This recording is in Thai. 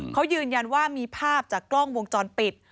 เขายืนยันว่ามีภาพจากกล้องวงจรปิด